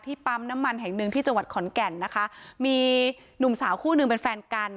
ปั๊มน้ำมันแห่งหนึ่งที่จังหวัดขอนแก่นนะคะมีหนุ่มสาวคู่หนึ่งเป็นแฟนกัน